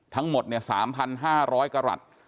ทั้งหมดเนี่ย๓๕๐๐กระหลัด